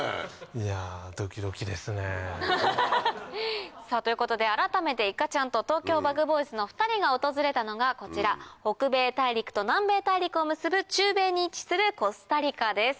いやドキドキですね。ということで改めていかちゃんとＴｏｋｙｏＢｕｇＢｏｙｓの２人が訪れたのがこちら北米大陸と南米大陸を結ぶ中米に位置するコスタリカです。